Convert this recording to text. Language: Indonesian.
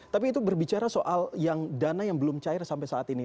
tapi itu berbicara soal yang dana yang belum cair sampai saat ini